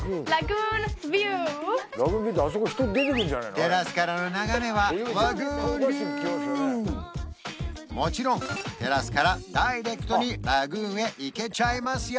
テラスからの眺めはもちろんテラスからダイレクトにラグーンへ行けちゃいますよ